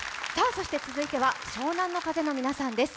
そして続いては、湘南乃風の皆さんです。